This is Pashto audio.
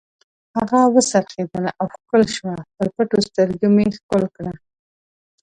هغه و څرخېدله او ښکل شوه، پر پټو سترګو مې ښکل کړه.